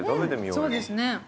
そうですね。